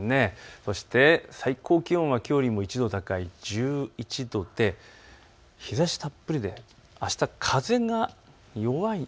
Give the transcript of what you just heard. そして最高気温はきょうよりも１度高い１１度で日ざしたっぷりであした、風が弱い。